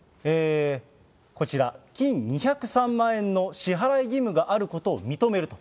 こちら、金２０３万円の支払い義務があることを認めると。